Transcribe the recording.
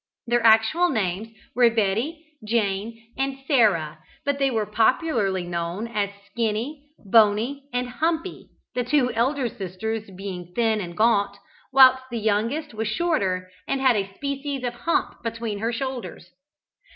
Their actual names were Betty, Jane, and Sarah, but they were popularly known as Skinny, Bony, and Humpy, the two elder sisters being thin and gaunt, whilst the youngest was shorter, and had a species of hump between her shoulders.